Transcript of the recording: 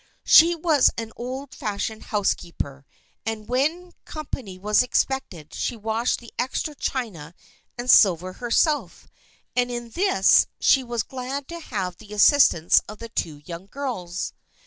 She was an old fashioned housekeeper, and when com pany was expected she washed the extra china and silver herself, and in this she was glad to have the assistance of the two young girls.